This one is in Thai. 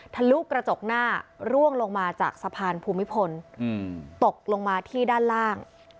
ทะลุกระจกหน้าร่วงลงมาจากสะพานภูมิพลตกลงมาที่ด้านล่าง